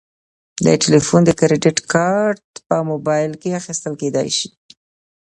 د تلیفون د کریدت کارت په موبایل کې اخیستل کیدی شي.